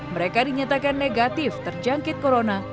mereka dinyatakan negatif terjangkit corona